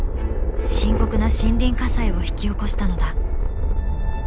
深刻な森林火災を引き起こしたのだ。